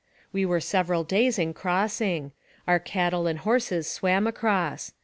We were several days in crossing. Our cattle and horses swam across.